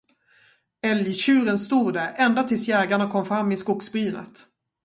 Älgtjuren stod där, ända tills jägarna kom fram i skogsbrynet.